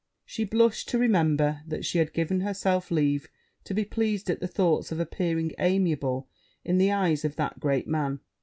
She blushed to remember, that she had given herself leave to be pleased at the thoughts of appearing amiable in the eyes of that great man.